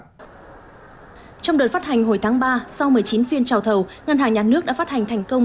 trong đợt phát hành hồi tháng ba sau một mươi chín phiên trào thầu ngân hàng nhà nước đã phát hành thành công